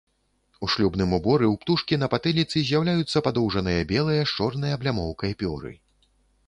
У шлюбным уборы ў птушкі на патыліцы з'яўляюцца падоўжаныя, белыя з чорнай аблямоўкай пёры.